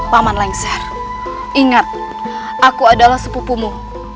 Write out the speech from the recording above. paman lengser ingat aku adalah sepupumu